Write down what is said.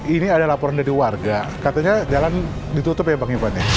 ini ada laporan dari warga katanya jalan ditutup ya bang ivan ya